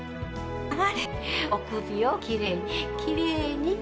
流れでお首をきれいにきれいに。